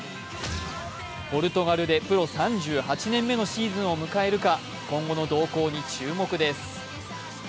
ポルトガルでプロ３８年目のシーズンを迎えるのか今後の動向に注目です。